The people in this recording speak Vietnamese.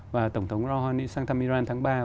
và tổng thống trump